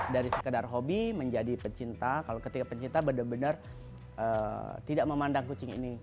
dari sekedar hobi menjadi pecinta kalau ketika pencinta benar benar tidak memandang kucing ini